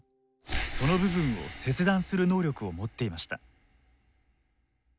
その部分を切断する能力を持っていました。